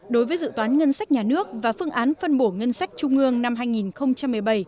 đối với dự toán ngân sách nhà nước và phương án phân bổ ngân sách trung ương năm hai nghìn một mươi bảy